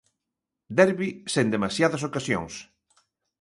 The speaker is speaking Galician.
Derbi sen demasiadas ocasións.